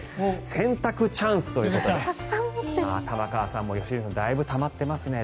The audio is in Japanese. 洗濯チャンスということで玉川さんも良純さんもだいぶたまってますね。